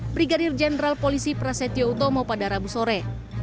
brigadir jenderal polisi prasetya utomo pada rabu sore